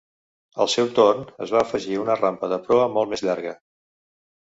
Al seu torn es va afegir una rampa de proa molt més llarga.